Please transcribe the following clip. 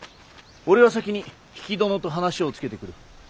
俺は先に比企殿と話をつけてくる。